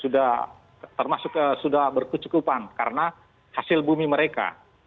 sudah termasuk sudah berkecukupan karena hasil bumi mereka